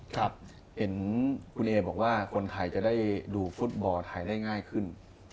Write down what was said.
เห็นคุณเอบอกว่าคนไทยจะได้ดูฟุตบอลไทยได้ง่ายขึ้น